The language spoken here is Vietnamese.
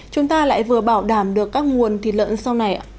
chúng ta lại vừa bảo đảm được các nguồn thịt lợn sau này ạ